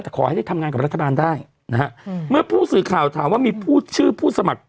แต่ขอให้ได้ทำงานกับรัฐบาลได้นะฮะเมื่อผู้สื่อข่าวถามว่ามีผู้ชื่อผู้สมัคร